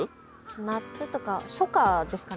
夏とか初夏ですかね。